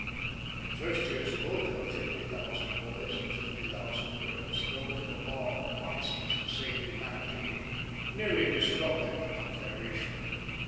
The first year's quota of fifty thousand boys and fifty thousand girls, thrown to the maw of the monsters to save humanity, nearly disrupted the Confederation.